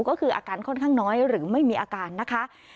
ก็คืออาการค่อนข้างน้อยหรือไม่มีอาการนะคะ